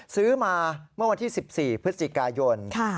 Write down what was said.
ซื้อมาเมื่อวันที่๑๔พฤศจิกายน